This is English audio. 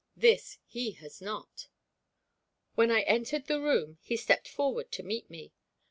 This he has not." When I entered the room he stepped forward to meet me.